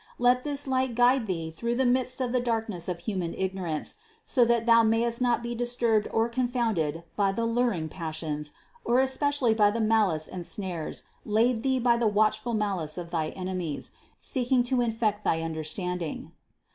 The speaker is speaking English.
Let this light guide thee through the midst of the darkness of human ignorance, 424 CITY OF GOD so that thou mayst not be disturbed or confounded by the luring passions, nor especially by the malice and snares laid thee by the watchful malice of thy enemies, seeking to infect thy understanding.